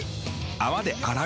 泡で洗う。